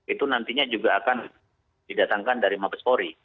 itu nantinya juga akan didatangkan dari mabes polri